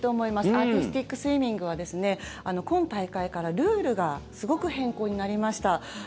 アーティスティックスイミングは今大会からルールがすごく変更になりました。